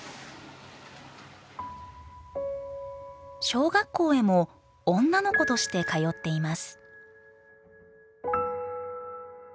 小学校へも女の子として通っています。